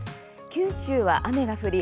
九州は雨が降り